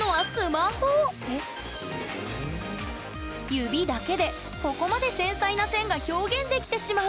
指だけでここまで繊細な線が表現できてしまうんです！